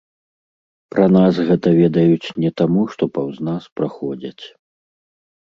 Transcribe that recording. Пра нас гэта ведаюць не таму, што паўз нас праходзяць.